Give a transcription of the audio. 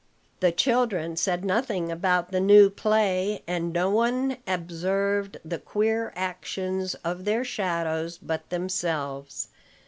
The children said nothing about the new play, and no one observed the queer actions of their shadows but themselves.